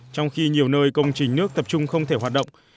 trong khi nhiều nơi công trình nước tập trung không thể hoạt động